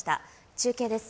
中継です。